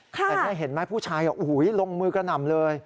แต่ถ้าเห็นไหมผู้ชายอ่ะโอ้โฮลงมือกระหน่ำเลย